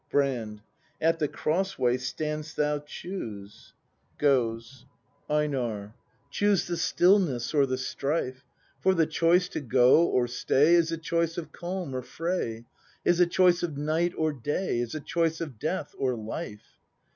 Brand. At the crossway standst thou: — choose. [Goes. u ACT II] BRAND 101 EiNAR. Choose the stillness or the strife! For the choice to go or s t a y Is a choice of calm or fray, Is a choice of Night or Day, Is a choice of Death or Life!